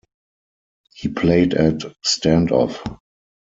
He played at Stand Off.